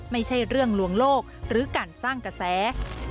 ไม่ใช่เรื่องลวงโลกหรือการสร้างกระแส